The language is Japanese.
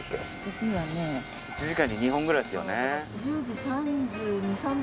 １時間に２本くらいですよね。